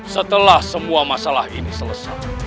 setelah semua masalah ini selesai